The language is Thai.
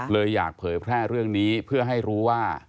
เลยอยากเผยแพร่เรื่องนี้เพื่อให้รู้ว่า